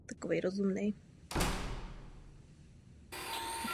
Později se stal kapitánem reprezentačního týmu.